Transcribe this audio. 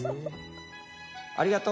「ありがと」。